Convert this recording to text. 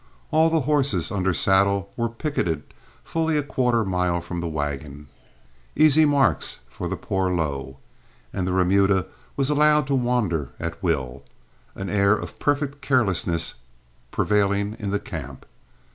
All the horses under saddle were picketed fully a quarter mile from the wagon, easy marks for poor Lo, and the remuda was allowed to wander at will, an air of perfect carelessness prevailing in the camp.